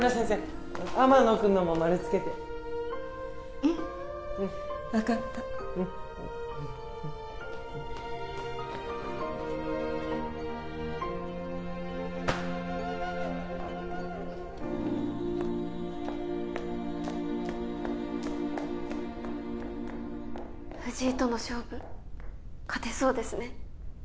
天野君のもマルつけてうん分かったうんうん藤井との勝負勝てそうですね